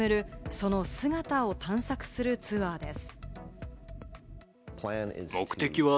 その姿を探索するツアーです。